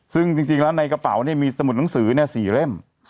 ซึ่งจริงแล้วในกระเป๋าเนี่ยมีสมุดหนังสือเนี่ย๔เล่ม